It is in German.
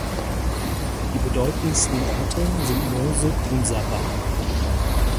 Die bedeutendsten Orte sind Murzuk und Sabha.